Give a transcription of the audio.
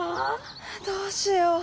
どうしよう。